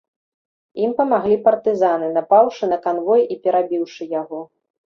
Ім памаглі партызаны, напаўшы на канвой і перабіўшы яго.